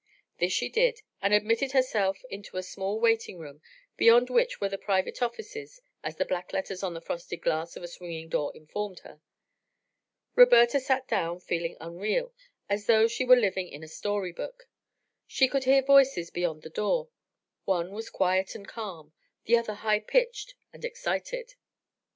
This she did and admitted herself into a small waiting room beyond which were the private offices, as the black letters on the frosted glass of a swinging door informed her. Roberta sat down feeling unreal, as though she were living in a story book. She could hear voices beyond the door; one was quiet and calm, the other high pitched and excited.